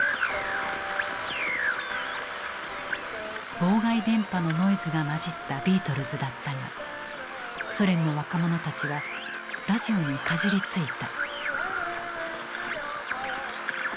妨害電波のノイズが混じったビートルズだったがソ連の若者たちはラジオにかじりついた。